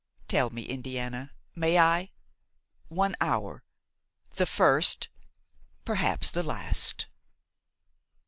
Tell me, Indiana, may I? One hour–the first, perhaps the last!